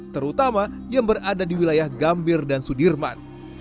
terutama yang berada di wilayah gambir dan sudirman